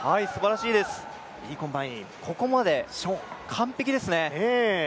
ここまで、完璧ですね。